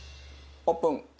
オープン。